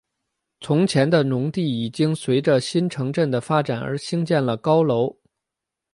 从前的农地已经随着新市镇的发展而兴建了高楼。